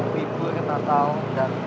di bulan natal dan tahun berikutnya